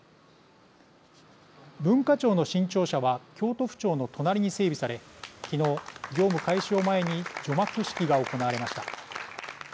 文化庁の新庁舎は京都府庁の隣に整備され昨日、業務開始を前に除幕式が行われました。